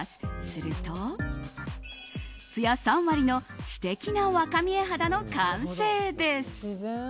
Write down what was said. すると、つや３割の知的な若見え肌の完成です。